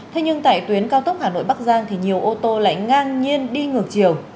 thế nhưng tại tuyến cao tốc hà nội bắc giang thì nhiều ô tô lại ngang nhiên đi ngược chiều